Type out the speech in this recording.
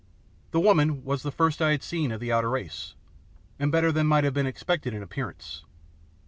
The woman was the first I had seen of the outer race, and better than might have been expected in appearance.